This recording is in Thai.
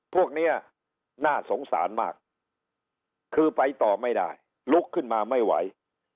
พวกนี้น่าสงสารมากคือไปต่อไม่ได้ลุกขึ้นมาไม่ไหว